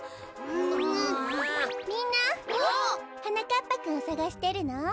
みんなはなかっぱくんをさがしてるの？